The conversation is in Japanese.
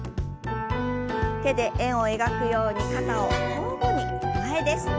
手で円を描くように肩を交互に前です。